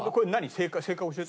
正解教えて。